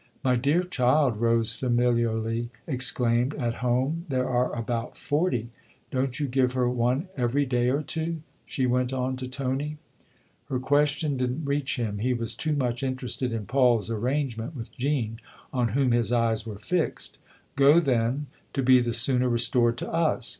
" My dear child," Rose familiarly exclaimed, " at home there are about forty ! Don't you give her one every day or two ?" she went on to Tony. THE OTHER HOUSE 147 Her question didn't reach him ; he was too much interested in Paul's arrangement with Jean, on whom his eyes were fixed. " Go, then to be the sooner restored to us.